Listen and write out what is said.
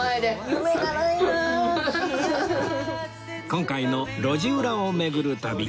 今回の路地裏を巡る旅